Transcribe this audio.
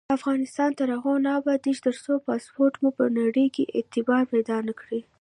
افغانستان تر هغو نه ابادیږي، ترڅو پاسپورت مو په نړۍ کې اعتبار پیدا نکړي.